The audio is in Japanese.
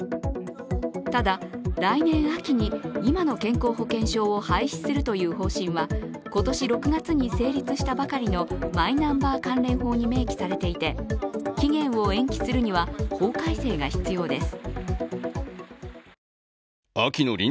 ただ、来年秋に今の健康保険証を廃止するという方針は今年６月に成立したばかりのマイナンバー関連法に明記されていて期限を延期するには法改正が必要です。